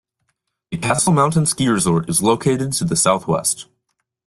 The Castle Mountain Ski Resort is located to the southwest.